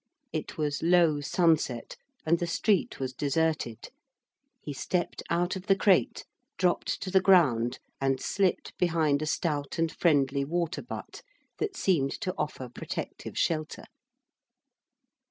It was low sunset, and the street was deserted. He stepped out of the crate, dropped to the ground, and slipped behind a stout and friendly water butt that seemed to offer protective shelter.